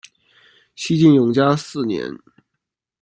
西晋永嘉四年。